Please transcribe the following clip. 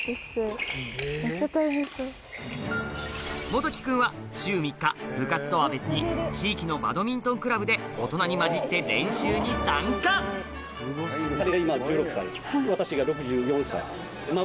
元紀君は週３日部活とは別に地域のバドミントンクラブで大人に交じって練習に参加みんな。